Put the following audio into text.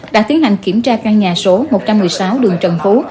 đã tiến hành kiểm tra căn nhà số một trăm một mươi sáu đường trần phú